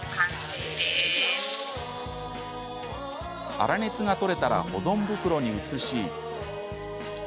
粗熱が取れたら保存袋に移し。